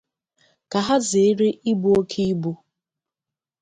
ka ha zèéré ibu oke ibu